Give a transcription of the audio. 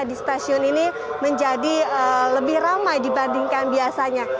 di stasiun ini menjadi lebih ramai dibandingkan biasanya